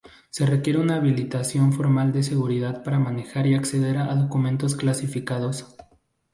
Se requiere una habilitación formal de seguridad para manejar y acceder a documentos clasificados.